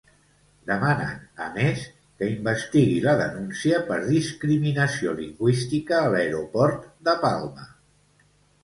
Demanen a Més que investigui la denúncia per discriminació lingüística a l'aeroport de Palma.